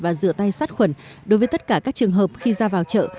và rửa tay sát khuẩn đối với tất cả các trường hợp khi ra vào chợ